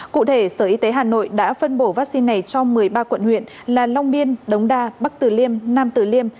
cụ thể sở y tế hà nội đã phân bổ vaccine này cho một mươi ba quận huyện là long biên đống đa bắc tử liêm nam tử liêm